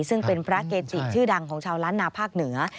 ซึ่งเป็นพระเกจิชื่อดังของชาวล้านนาภาคเหนือ